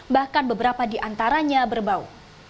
bahkan beberapa di antaranya berbau